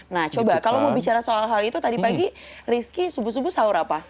nah coba kalau mau bicara soal hal itu tadi pagi rizky subuh subuh sahur apa